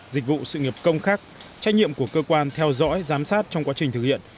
dịch vụ sự nghiệp công khác trách nhiệm của cơ quan theo dõi giám sát trong quá trình thực hiện